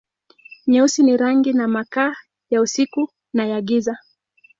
Nyeusi ni rangi na makaa, ya usiku na ya giza.